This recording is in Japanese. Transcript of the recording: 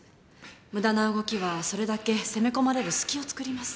無駄な動きはそれだけ攻め込まれる隙を作ります。